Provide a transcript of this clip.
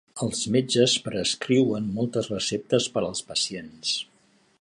Els metges prescriuen moltes receptes per als pacients.